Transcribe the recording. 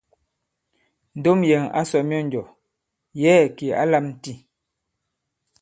Ndom yɛ̀ŋ ǎ sɔ̀ myɔnjɔ̀, yɛ̌ɛ̀ kì ǎ lām tî.